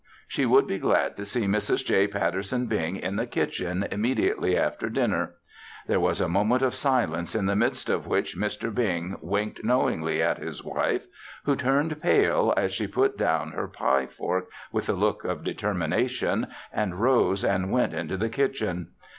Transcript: She would be glad to see Mrs. J. Patterson Bing in the kitchen immediately after dinner. There was a moment of silence in the midst of which Mr. Bing winked knowingly at his wife, who turned pale as she put down her pie fork with a look of determination and rose and went into the kitchen.